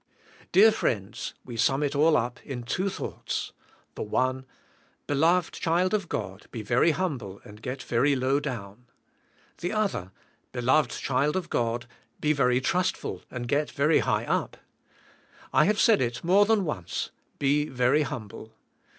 Dear friends, we sum it all up in two thoughts. The one: Beloved child of God be very humble and get very low down. The other: Beloved child of God, be very trustful and get very high up. 1 have said it more than once, be very humble.